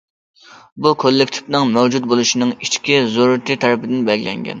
بۇ كوللېكتىپنىڭ مەۋجۇت بولۇشىنىڭ ئىچكى زۆرۈرىيىتى تەرىپىدىن بەلگىلەنگەن.